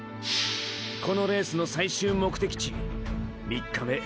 このレースの最終目的地３日目最終日